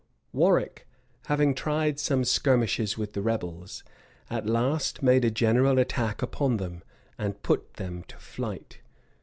Warwick, having tried some skirmishes with the rebels, at last made a general attack upon them, and put them to flight.